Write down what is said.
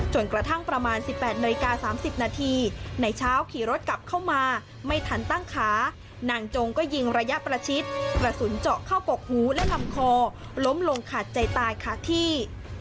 กระทั่งประมาณ๑๘นาฬิกา๓๐นาทีในเช้าขี่รถกลับเข้ามาไม่ทันตั้งขานางจงก็ยิงระยะประชิดกระสุนเจาะเข้ากกหูและลำคอล้มลงขาดใจตายขาดที่